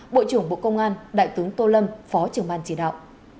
bộ trưởng bộ công an đại tướng tô lâm phó trưởng ban chỉ đạo